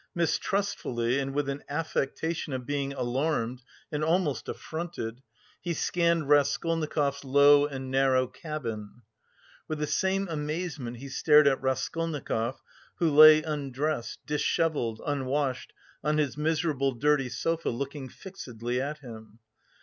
Mistrustfully and with an affectation of being alarmed and almost affronted, he scanned Raskolnikov's low and narrow "cabin." With the same amazement he stared at Raskolnikov, who lay undressed, dishevelled, unwashed, on his miserable dirty sofa, looking fixedly at him.